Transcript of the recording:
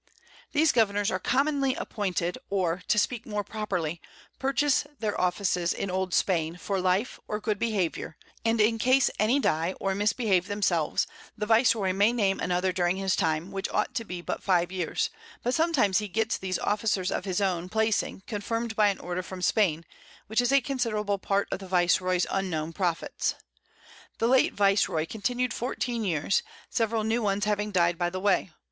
These Governors are commonly appointed, or, to speak more properly, purchase their Offices in Old Spain, for Life, or good Behaviour; and in case any die, or misbehave themselves, the Vice roy may name another during his Time, which ought to be but 5 Years; but sometimes he gets these Officers of his own placing confirm'd by an Order from Spain, which is a considerable Part of the Vice roy's unknown Profits. The late Vice roy continued 14 Years, several new ones having died by the Way.